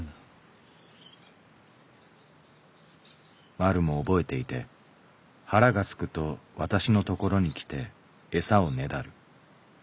「まるも覚えていて腹がすくと私のところに来て餌をねだる。